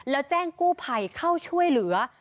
แล้วแจ้งกู้ภัยเข้าช่วยเหลือ